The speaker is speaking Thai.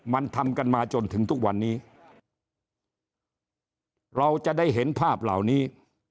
มันทำกันมาจนถึงทุกวันนี้เราจะได้เห็นภาพเหล่านี้